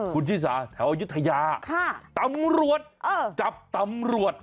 คุณชิสาแถวยุธยาตำรวจจับตำรวจ